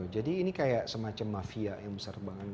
jadi ini seperti semacam mafia yang besar banget